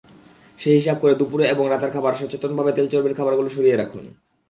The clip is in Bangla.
সেই হিসাব করে দুপুর এবং রাতের খাবার সচেতনভাবে তেল-চর্বির খাবারগুলো সরিয়ে রাখুন।